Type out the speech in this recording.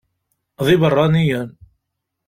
D ibeṛṛaniyen.